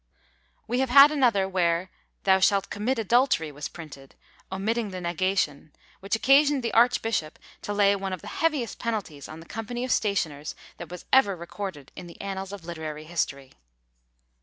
We have had another, where "Thou shalt commit adultery" was printed, omitting the negation; which occasioned the archbishop to lay one of the heaviest penalties on the Company of Stationers that was ever recorded in the annals of literary history.